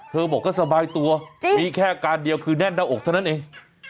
บอกก็สบายตัวมีแค่อาการเดียวคือแน่นหน้าอกเท่านั้นเอง